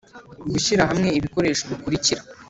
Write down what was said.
Gushyira hamwe ibikoresho bikurikira